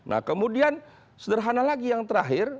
nah kemudian sederhana lagi yang terakhir